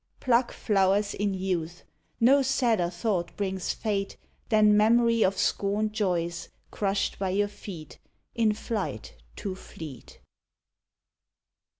Pluck flowers in youth; no sadder thought brings Fate Than memory of scorned joys crushed by our feet In flight too fleet.